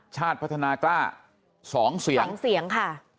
ชาติพัฒนากล้า๒เสียง๒เสียงค่ะ